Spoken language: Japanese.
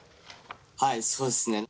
はいそうですね。